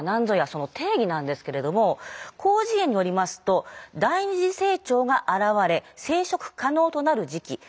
その定義なんですけれども「広辞苑」によりますと「第二次性徴が表れ生殖可能となる時期。